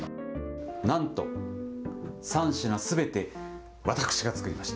なんと、３品すべて私が作りました。